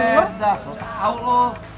eh udah kau tahu poh